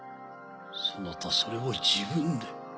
そなたそれを自分で？